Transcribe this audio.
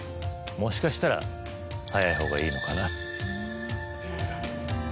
もしかしたら早い方がいいのかな。